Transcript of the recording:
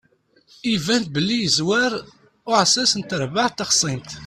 Iban belli yeẓwer uɛessas n terbaɛt taxṣimt.